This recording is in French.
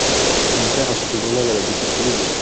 Mon père achète le journal à la boutique tous les jours.